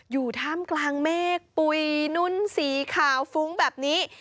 อยู่ท่ามกลางเมฆปุ๋ยนุ้นสีขาวฟุ้งแบบนี้